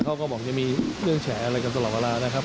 เขาก็บอกจะมีเรื่องแฉอะไรกันตลอดเวลานะครับ